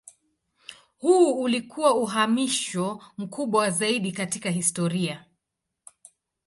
Huu ulikuwa uhamisho mkubwa zaidi katika historia.